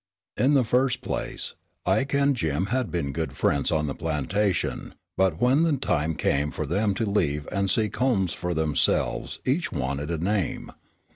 In the first place, Ike and Jim had been good friends on the plantation, but when the time came for them to leave and seek homes for themselves each wanted a name.